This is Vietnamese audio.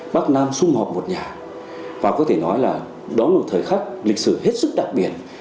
bắc nam xung hợp một nhà và có thể nói là đó là một thời khắc lịch sử hết sức đặc biệt